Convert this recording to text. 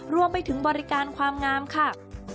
รวมไปถึงบริการความงามค่ะ